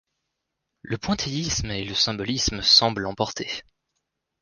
Le pointillisme et le symbolisme semblent l'emporter.